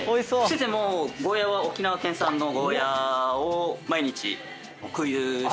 もうゴーヤーは沖縄県産のゴーヤーを毎日空輸していただいて。